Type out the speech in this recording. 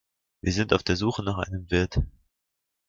Wir sind auf der Suche nach einem Wirt.